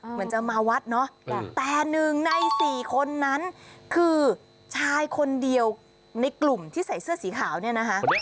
เหมือนจะมาวัดเนาะแต่หนึ่งใน๔คนนั้นคือชายคนเดียวในกลุ่มที่ใส่เสื้อสีขาวเนี่ยนะคะ